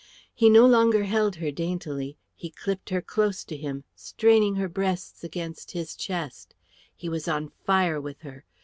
He no longer held her daintily; he clipped her close to him, straining her breasts against his chest; he was on fire with her.